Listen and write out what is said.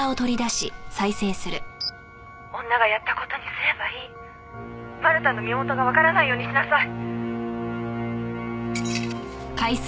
「女がやった事にすればいい」「マルタンの身元がわからないようにしなさい」